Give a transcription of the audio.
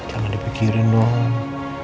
jangan dipikirin doang